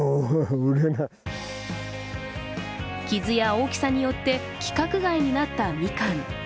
傷や大きさによって規格外になった、みかん。